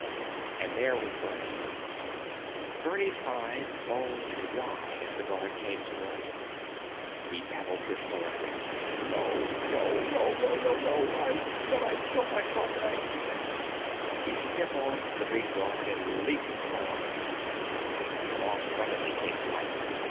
And there was Bernie. Bernie's eyes bulged wide as the guard came toward him. He babbled hysterically, "No! Nonononono! I said I'd kill myself and I——" He stiff armed the big guard and leaped for the lock door. Ross suddenly came to life.